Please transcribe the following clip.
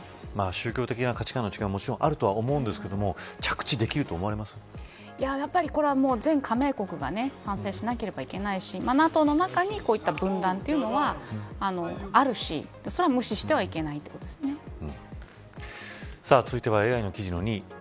宗教的な価値観の違いはもちろんあると思いますがやっぱりこれは全加盟国が賛成しなければいけないしＮＡＴＯの中にこうした分断というのはあるしそれは無視してはいけないって続いてはＡＩの記事の２位。